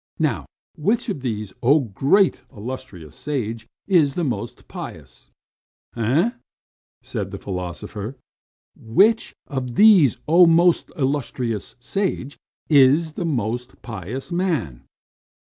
Now, which of these, oh, most illustrious sage, is the more pious man?" "Eh?" said the philosopher. "Which of these, oh, most illustrious sage, is the more pious man?"